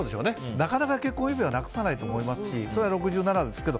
なかなか結婚指輪をなくさないと思いますしそれは６７ですけど。